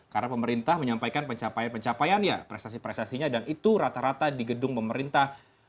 karena pemerintah menyampaikan pencapaian pencapaian ya prestasi prestasinya dan itu rata rata di gedung pemerintah